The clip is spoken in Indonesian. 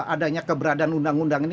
adanya keberadaan undang undang ini